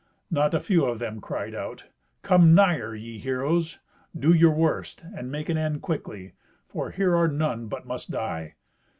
Not a few of them cried out, "Come nigher, ye heroes! Do your worst, and make an end quickly, for here are none but must die."